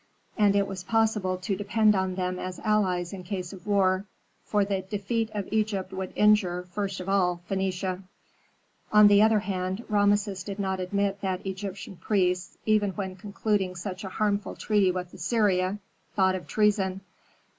And it was possible to depend on them as allies in case of war, for the defeat of Egypt would injure, first of all, Phœnicia. On the other hand, Rameses did not admit that Egyptian priests, even when concluding such a harmful treaty with Assyria, thought of treason.